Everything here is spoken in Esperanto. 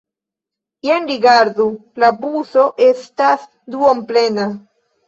Jen rigardu: la buso estas duonplena.